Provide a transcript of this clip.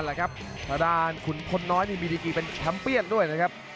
ประดานคุณคนน้อยมีบีดีกี่เป็นทัมเปียนด้วยนะครับ